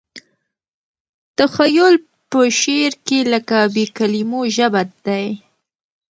تخیل په شعر کې لکه بې کلیمو ژبه دی.